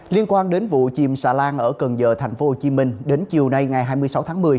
liên quan đến vụ chìm xà lan ở cần giờ tp hcm đến chiều nay ngày hai mươi sáu tháng một mươi